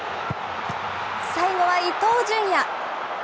最後は伊東純也。